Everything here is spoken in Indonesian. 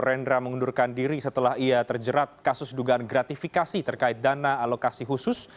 rendra mengundurkan diri setelah ia terjerat kasus dugaan gratifikasi terkait dana alokasi khusus